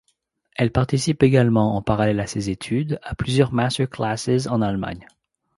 Elle participe également, en parallèle à ses études, à plusieurs master classes en Allemagne.